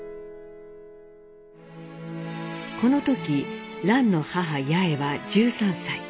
この時蘭の母八重は１３歳。